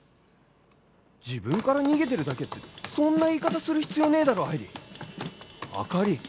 自分から逃げてるだけってそんな言い方する必要ねえだろ愛理